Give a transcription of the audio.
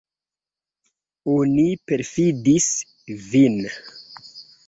Oni perfidis vin.